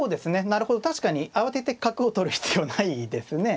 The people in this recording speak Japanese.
なるほど確かに慌てて角を取る必要ないですね。